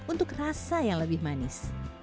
untuk rasa yang lebih manis